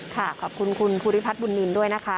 ขอบคุณคุณภูริพัฒน์บุญนินด้วยนะคะ